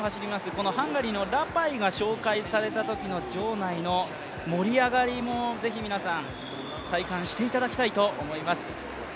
このハンガリーのラパイが紹介されたときの場内の盛り上がりも是非皆さん、体感していただきたいと思います。